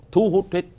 thu hút hết